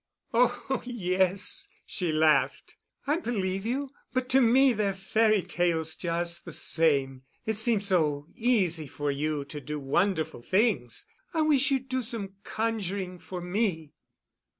"Oh, yes," she laughed, "I believe you, but to me they're fairy tales just the same. It seems so easy for you to do wonderful things. I wish you'd do some conjuring for me."